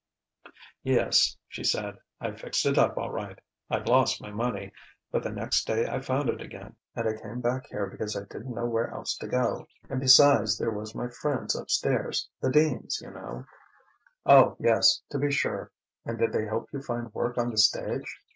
"Yes," she said, "I fixed it up all right. I'd lost my money, but the next day I found it again, and I came back here because I didn't know where else to go, and besides there was my friends upstairs the Deans, you know." "Oh, yes, to be sure. And did they help you find work on the stage?